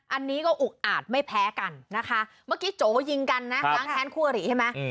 อันนี้ก็อุกอาจไม่แพ้กันนะคะเมื่อกี้โจยิงกันนะล้างแค้นคู่อริใช่ไหม